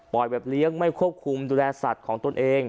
แบบเลี้ยงไม่ควบคุมดูแลสัตว์ของตนเอง